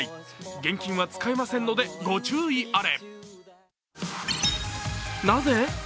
現金は使えませんのでご注意あれ。